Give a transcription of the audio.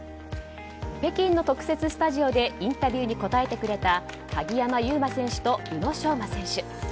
北京の特設スタジオでインタビューに答えてくれた鍵山優真選手と宇野昌磨選手。